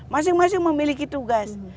masing masing memiliki tugas